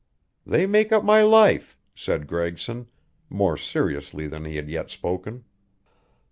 "They make up my life," said Gregson, more seriously than he had yet spoken.